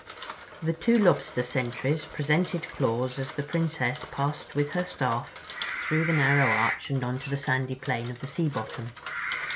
The two Lobster sentries presented claws as the Princess passed with her Staff through the narrow arch and onto the sandy plain of the sea bottom.